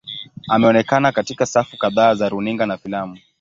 Ameonekana katika safu kadhaa za runinga na filamu.